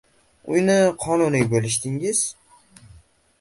Uyni qonuniy bo’lishdingiz.